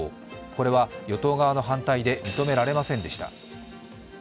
これは与党側の反対で認められませんでした。